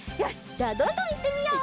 じゃあどんどんいってみよう！